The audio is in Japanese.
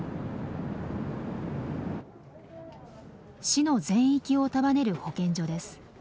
市の全域を束ねる保健所です。